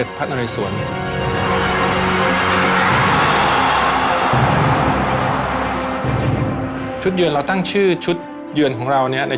ชุดย่าวที่เราตั้งชื่อให้เนี่ยก็คือชัยานุภาพก็เป็นชื่อของเรานะครับ